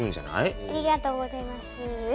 ありがとうございます。